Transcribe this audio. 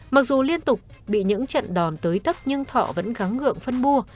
mặc dù liên tục bị những trận đòn tối tấp nhưng thọ vẫn gắng ngượng phân bua